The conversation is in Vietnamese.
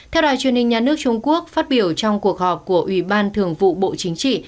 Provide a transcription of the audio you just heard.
theo đài truyền hình nhà nước trung quốc phát biểu trong cuộc họp của ủy ban thường vụ bộ chính trị